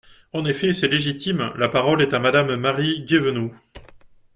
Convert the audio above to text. En effet ! C’est légitime ! La parole est à Madame Marie Guévenoux.